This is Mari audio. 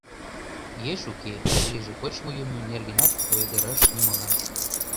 Еш уке — тугеже, кочмо-йӱмӧ нергенат ойгыраш нимолан.